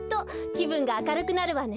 きぶんがあかるくなるわね。